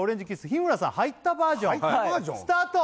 日村さん入ったバージョンスタート